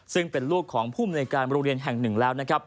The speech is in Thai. ซึ่งเป็นลูกของผู้บริษัยการโรงเรียนแห่ง๑แล้ว